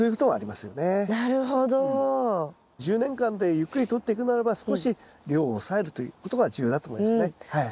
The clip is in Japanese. １０年間でゆっくりとっていくならば少し量を抑えるということが重要だと思いますねはい。